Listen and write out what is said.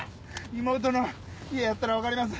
妹の家やったら分かります。